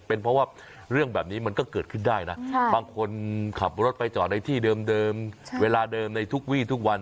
เป็นเพราะว่าเรื่องแบบนี้มันก็เกิดขึ้นได้นะบางคนขับรถไปจอดในที่เดิมเวลาเดิมในทุกวี่ทุกวัน